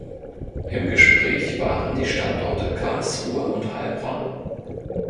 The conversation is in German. Im Gespräch waren die Standorte Karlsruhe und Heilbronn.